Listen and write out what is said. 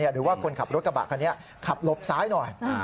หรือว่าคนขับรถกระบะคันนี้ขับหลบซ้ายหน่อย